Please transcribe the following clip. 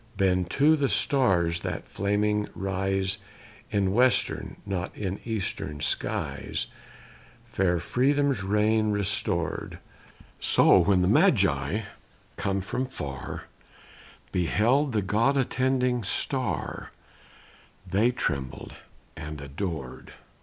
Bend to the Stars that flaming rise In western, not in eastern, skies, Fair Freedom's reign restored So when the Magi, come from far, Beheld the God attending Star, They trembled and ador'd.